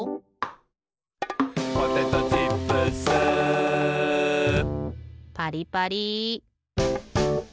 「ポテトチップス」パリパリ。